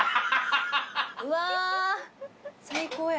うわ最高や。